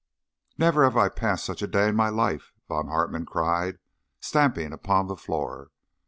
"Never have I passed such a day in my life," Von Hartmann cried, stamping upon the floor.